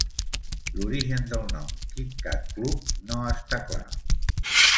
L'origen del nom "Kit-Cat Club" no està clar.